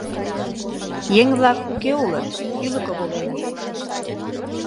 Еҥ-влак уке улыт — ӱлыкӧ воленыт.